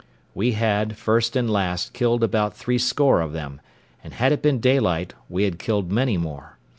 We had, first and last, killed about threescore of them, and had it been daylight we had killed many more.